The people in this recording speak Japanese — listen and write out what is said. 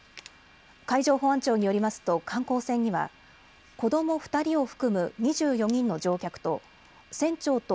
海上保安庁によりますと観光船には子ども２人を含む２４人の乗客と船長と